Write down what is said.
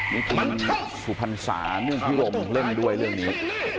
นี่คุณสุพรรษานุ่นพิรมเล่นด้วยเรื่องนี้